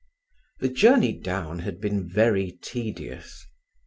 The journey down had been very tedious.